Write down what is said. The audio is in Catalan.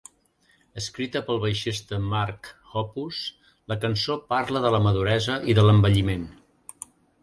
Escrita pel baixista Mark Hoppus, la cançó parla de la maduresa i de l'envelliment.